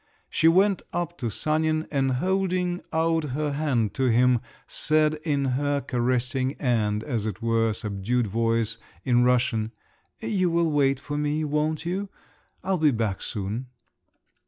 She went up to Sanin, and holding out her hand to him, said in her caressing and, as it were, subdued voice in Russian, "You will wait for me, won't you? I'll be back soon."